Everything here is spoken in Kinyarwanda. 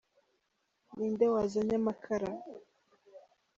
Ninde wazanye amakara?